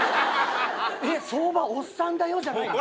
えっ相場おっさんだよじゃないの？